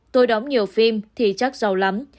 tôi đóng nhiều phim thì chắc giàu lắm